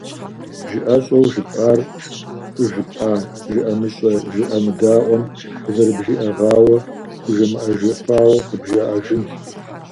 Жыӏэщӏэу жыпӏар щӏыжыпӏа жыӏэмыщӏэ-жыӏэмыдаӏуэм къызэрыбжиӏэгъауэ хужымыӏэжыфауэ къыбжаӏэжынщ.